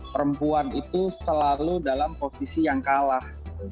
perempuan itu selalu dalam posisi yang kalah